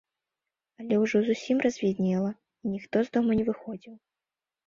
Але ўжо зусім развіднела, і ніхто з дома не выходзіў.